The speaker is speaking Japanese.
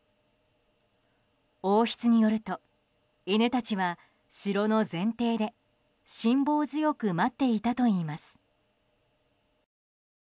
王室によると犬たちは城の前庭で辛抱強く待っていたといいます。